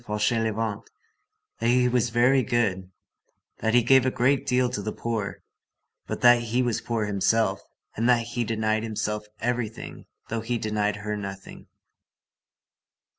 Fauchelevent, that he was very good, that he gave a great deal to the poor, but that he was poor himself, and that he denied himself everything though he denied her nothing.